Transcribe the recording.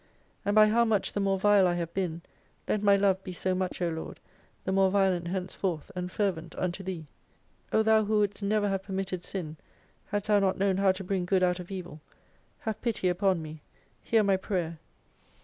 And by how much the more vile I have been, let my love be so much, O Lord, the more violent henceforth, and fervent unto Thee. O Thou who wouldst never have permitted sin, hadst Thou not known how to bring good out of evil, have pity upon me : hear my prayer.